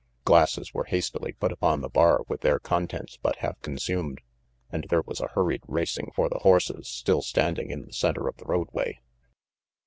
Glasses were hastily put upon the bar with their contents but half consumed, and there was a hurried racing for the horses still standing in the center of the roadway.